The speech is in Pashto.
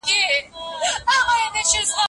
ايا حضوري تدريس پوښتنو ته سمدستي ځواب ورکوي؟